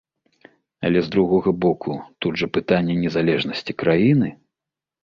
Але, з другога боку, тут жа пытанне незалежнасці краіны!